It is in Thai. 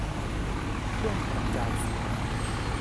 เครื่องกระจายเสียง